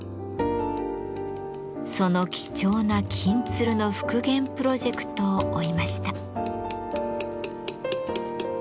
その貴重な「金鶴」の復元プロジェクトを追いました。